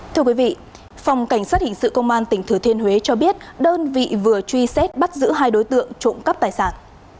thưa quý vị phòng cảnh sát hình sự công an tỉnh thừa thiên huế cho biết đơn vị vừa truy xét bắt giữ hai đối tượng trộm cắp tài sản